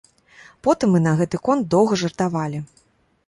Потым мы на гэты конт доўга жартавалі.